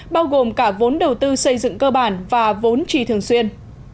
bao gồm cả vốn đầu tư xây dựng cơ bản và vốn trì thường xuyên